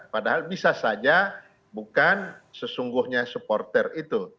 padahal bisa saja bukan sesungguhnya supporter itu